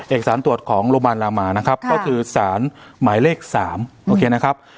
เอกสารตรวจของโรงพยาบาลรามานะครับก็คือสารหมายเลข๓โอเคนะครับ